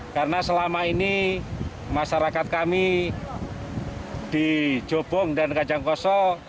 karena selama ini masyarakat kami di jobong dan kacangkoso